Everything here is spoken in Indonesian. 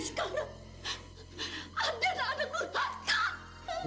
aku tidak akan melakukan hal seperti itu